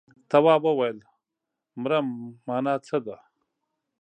تواب وويل: مرم مانا څه ده.